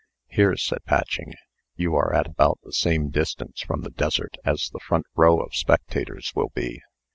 "Here," said Patching, "you are at about the same distance from the desert as the front row of spectators will be.